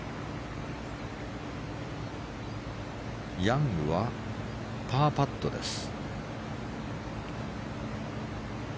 ヤングはパーパットです。